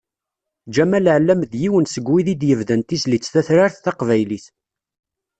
Ǧamal Ɛellam d yiwen seg wid i d-yebdan tizlit tatrart taqbaylit.